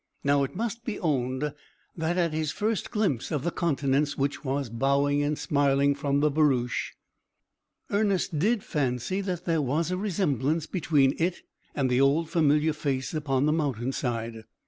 Now, it must be owned that, at his first glimpse of the countenance which was bowing and smiling from the barouche, Ernest did fancy that there was a resemblance between it and the old familiar face upon the mountain side.